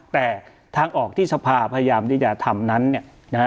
แต่ทางออกที่สภาพยายามที่จะทำนั้นเนี่ยนะฮะ